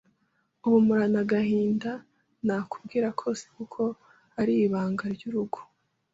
ubu mporana agahinda ntakubwira kose kuko ari ibanga ry’urugo